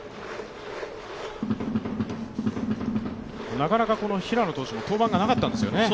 なかなかこの平野投手も登板がなかったんですよね。